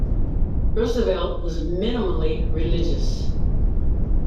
Roosevelt was minimally religious.